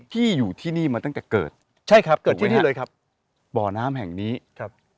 ที่อยู่ที่นี่มาตั้งแต่เกิดใช่ครับเกิดที่นี่เลยครับบ่อน้ำแห่งนี้ครับ